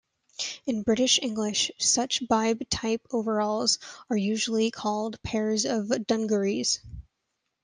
In British English such bib type overalls are usually called pairs of "dungarees".